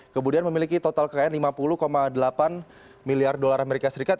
kemudian memiliki total kekayaan lima puluh delapan miliar usd